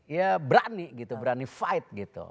ya berani gitu berani fight gitu